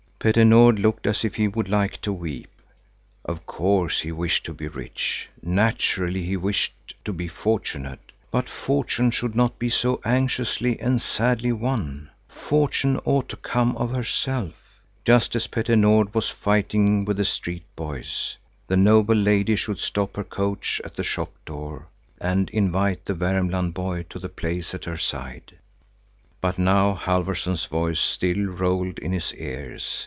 Petter Nord looked as if he would like to weep. Of course he wished to be rich, naturally he wished to be fortunate, but fortune should not be so anxiously and sadly won. Fortune ought to come of herself. Just as Petter Nord was fighting with the street boys, the noble lady should stop her coach at the shop door, and invite the Värmland boy to the place at her side. But now Halfvorson's voice still rolled in his ears.